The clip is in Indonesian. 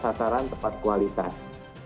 ataran tepat kualitas